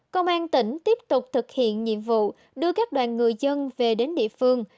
công an tỉnh tiếp tục thực hiện nhiệm vụ đưa các đoàn người dân về đến địa phương